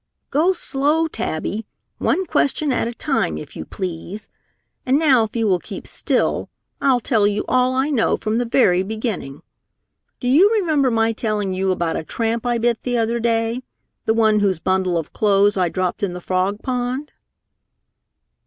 "Go slow, Tabby! One question at a time, if you please. And now if you will keep still, I'll tell you all I know from the very beginning. Do you remember my telling you about a tramp I bit the other day the one whose bundle of clothes I dropped in the frog pond?"